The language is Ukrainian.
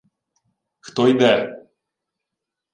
— Хто йде?!